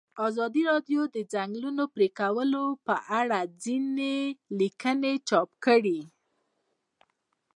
ازادي راډیو د د ځنګلونو پرېکول په اړه څېړنیزې لیکنې چاپ کړي.